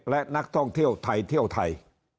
และนักท่องเที่ยวไทยเที่ยวไทย